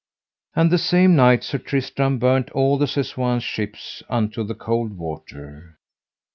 And the same night Sir Tristram burnt all the Sessoins' ships unto the cold water.